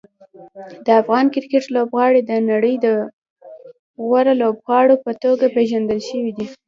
د افغان کرکټ لوبغاړي د نړۍ د غوره لوبغاړو په توګه پېژندل شوي دي.